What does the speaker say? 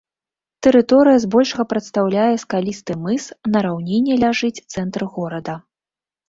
Тэрыторыя збольшага прадстаўляе скалісты мыс, на раўніне ляжыць цэнтр горада.